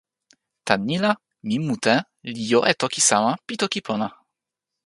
tan ni la, mi mute li jo e toki sama pi toki pona!